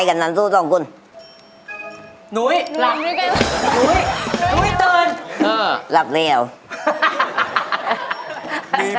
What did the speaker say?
อ๋อขอโทษนะคะ